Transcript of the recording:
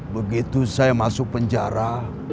begitu saya masuk penjara